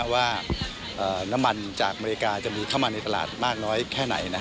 ว่าน้ำมันจากอเมริกาจะมีเข้ามาในตลาดมากน้อยแค่ไหน